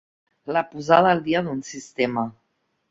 La posada al dia d'un sistema.